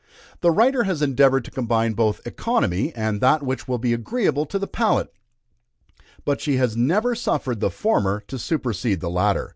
The writer has endeavored to combine both economy and that which will be agreeable to the palate, but she has never suffered the former to supersede the latter.